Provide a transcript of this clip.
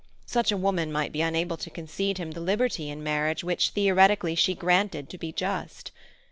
Such a woman might be unable to concede him the liberty in marriage which theoretically she granted to be just.